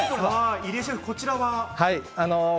入江シェフ、こちらは？